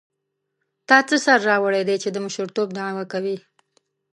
تا څه سر راوړی دی چې د مشرتوب دعوه کوې.